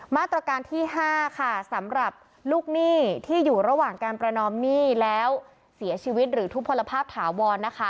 มาตรการที่๕ค่ะสำหรับลูกหนี้ที่อยู่ระหว่างการประนอมหนี้แล้วเสียชีวิตหรือทุกพลภาพถาวรนะคะ